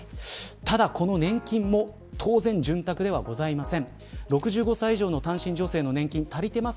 ただこの年金も当然潤沢ではございません。